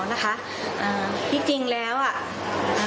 นะคะอ่าที่จริงแล้วอ่ะ